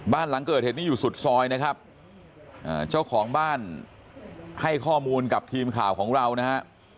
บ้านหลังเกิดเหตุนี้อยู่สุดซอยนะครับเจ้าของบ้านให้ข้อมูลกับทีมข่าวของเรานะฮะ